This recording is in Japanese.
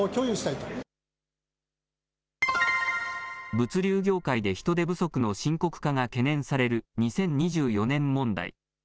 物流業界で人手不足の深刻化が懸念される２０２４年問題。